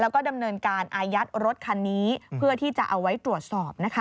แล้วก็ดำเนินการอายัดรถคันนี้เพื่อที่จะเอาไว้ตรวจสอบนะคะ